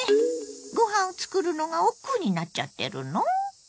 ご飯を作るのがおっくうになっちゃってるの？